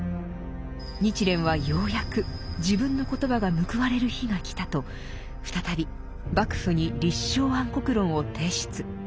日蓮はようやく自分の言葉が報われる日が来たと再び幕府に「立正安国論」を提出。